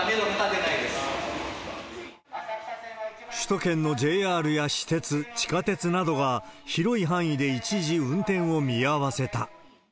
首都圏のＪＲや私鉄、地下鉄などが広い範囲で一時運転を見合わせた。